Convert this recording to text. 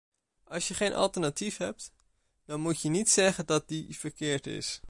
Als je geen alternatief hebt, dan moet je niet zeggen dat die verkeerd is.